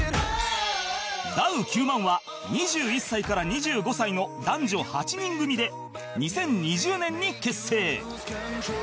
ダウ９００００は２１歳から２５歳の男女８人組で２０２０年に結成